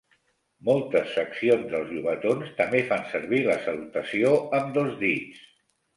Moltes seccions dels llobatons també fan servir la salutació amb dos dits.